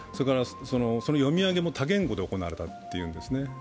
その読み上げも多言語で行われたというんですね。